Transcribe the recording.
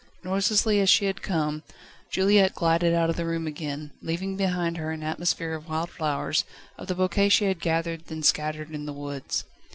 Noiselessly, as she had come, Juliette glided out of the room again, leaving behind her an atmosphere of wild flowers, of the bouquet she had gathered, then scattered in the woods.